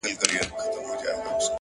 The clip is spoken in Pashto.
ه ژوند به دي خراب سي داسي مه كــوه تـه ـ